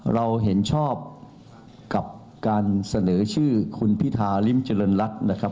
เราเห็นชอบกับการเสนอชื่อคุณพิธาริมเจริญรัฐนะครับ